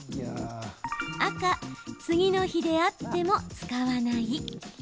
赤・次の日であっても使わない。